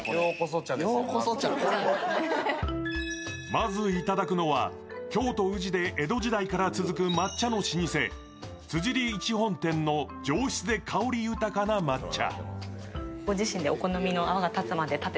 まずいただくのは京都・宇治で江戸時代から続く抹茶の老舗、辻利一本店の上質で香り豊かな抹茶。